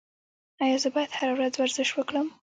ایا زه باید هره ورځ ورزش وکړم؟